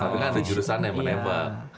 tapi kan ada jurusan yang menembak